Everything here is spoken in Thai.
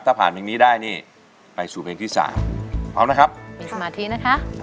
ถ้าผ่านเพลงนี้ได้นี่ไปสู่เพลงที่๓พร้อมนะครับมีสมาธินะครับ